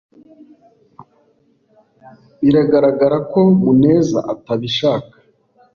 Biragaragara ko Muneza atabishaka.